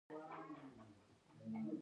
د ذوب اهن فابریکې لرو؟